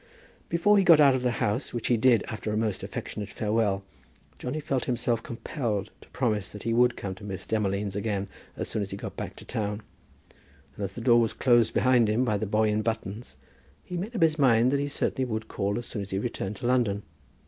Before he got out of the house, which he did after a most affectionate farewell, Johnny felt himself compelled to promise that he would come to Miss Demolines again as soon as he got back to town; and as the door was closed behind him by the boy in buttons, he made up his mind that he certainly would call as soon as he returned to London.